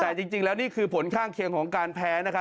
แต่จริงแล้วนี่คือผลข้างเคียงของการแพ้นะครับ